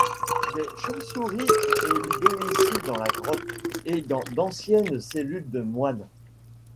Des chauves-souris ont élu domicile dans la grotte et dans d'anciennes cellules de moines.